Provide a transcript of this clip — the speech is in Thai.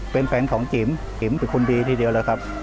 เป็นแฟนของจิ๋มจิ๋มเป็นคนดีทีเดียวแล้วครับ